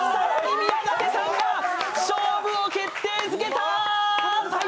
宮舘さんが勝負を決定づけた！